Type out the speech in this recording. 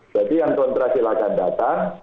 jadi yang kontrasi lakan datang